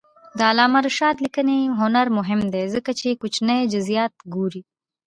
د علامه رشاد لیکنی هنر مهم دی ځکه چې کوچني جزئیات ګوري.